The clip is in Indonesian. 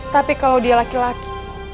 tapi kalau dia laki laki